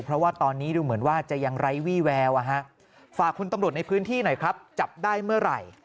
เพราะว่าตอนนี้ดูเหมือนว่าจะยังไร้วี่แววฝากคุณตำรวจในพื้นที่หน่อยครับจับได้เมื่อไหร่